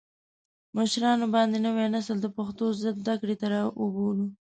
مشران باید نوی نسل د پښتو زده کړې ته راوبولي.